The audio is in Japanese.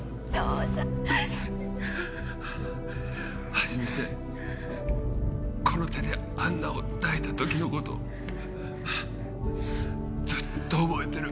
初めてこの手でアンナを抱いた時のことをずっと覚えてる。